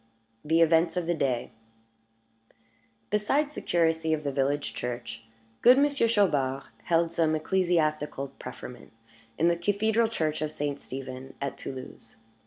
THE EVENTS OF THE DAY Besides the curacy of the village church, good Monsieur Chaubard held some ecclesiastical preferment in the cathedral church of St. Stephen at Toulouse.